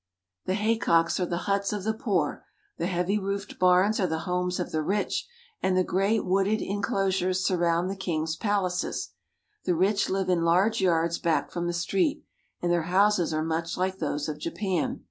The haycocks are the huts of the poor, the heavy roofed barns are the homes of the rich, and the great wooded in closures surround the king's palaces. The rich live in large yards back from the street, and their houses are much like those of Japan.